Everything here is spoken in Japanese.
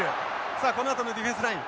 さあこのあとのディフェンスライン。